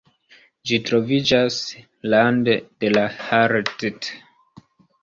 Ĝi troviĝas rande de la Haardt.